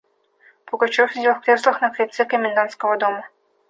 Пугачев сидел в креслах на крыльце комендантского дома.